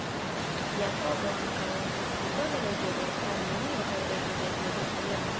Jakobo ankaŭ estis titole reĝo de Armenio kaj reĝo de Jerusalemo.